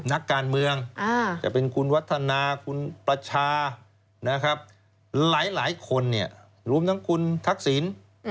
นักการเมืองจะเป็นคุณวัฒนาคุณประชานะครับหลายคนรวมทั้งคุณทักษิณ